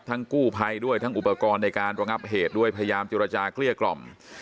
กู้ภัยด้วยทั้งอุปกรณ์ในการระงับเหตุด้วยพยายามเจรจาเกลี้ยกล่อม